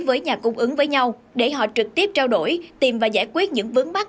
với nhà cung ứng với nhau để họ trực tiếp trao đổi tìm và giải quyết những vấn bắc